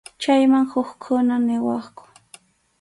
Chayman hukkuna niwaqku.